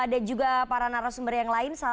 dan juga para narasumber yang lain